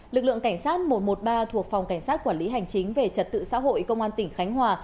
lực lượng cảnh sát một trăm một mươi ba thuộc phòng cảnh sát quản lý hành chính về trật tự xã hội công an tỉnh khánh hòa